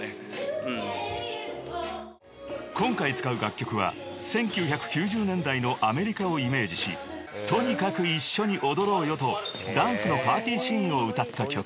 ［今回使う楽曲は１９９０年代のアメリカをイメージしとにかく一緒に踊ろうよとダンスのパーティーシーンを歌った曲］